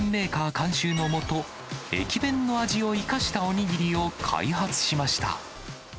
監修の下、駅弁の味を生かしたお握りを開発しました。